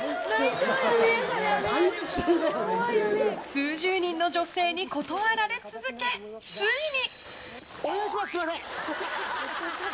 数十人の女性に断られ続けついに。